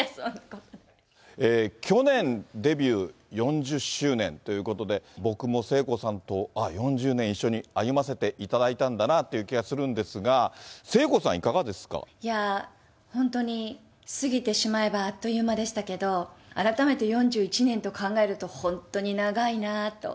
去年デビュー４０周年ということで、僕も聖子さんとああ、４０年一緒に歩ませていただいたんだなという気がするんですが、いや、本当に過ぎてしまえば、あっという間でしたけど、改めて４１年と考えると、本当に長いなと。